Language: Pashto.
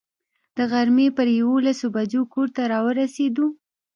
د غرمې پر یوولسو بجو کور ته را ورسېدو.